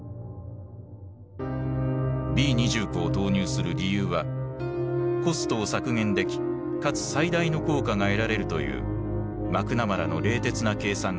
Ｂー２９を投入する理由はコストを削減できかつ最大の効果が得られるというマクナマラの冷徹な計算があった。